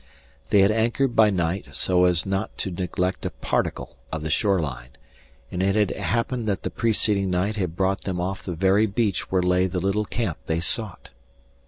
They had anchored by night so as not to neglect a particle of the shore line, and it had happened that the preceding night had brought them off the very beach where lay the little camp they sought.